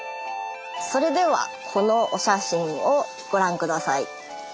それではこのお写真をご覧下さい。